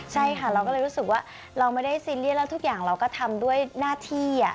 ใช่ค่ะเราก็เลยรู้สึกว่าเราไม่ได้ซีเรียสแล้วทุกอย่างเราก็ทำด้วยหน้าที่